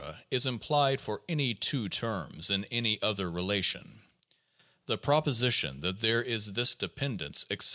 is implied for any two terms in any other relation. The proposition that there is this dependence, etc.